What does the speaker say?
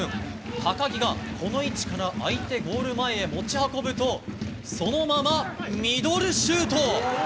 高木が、この位置から相手ゴール前へ持ち込むとそのままミドルシュート！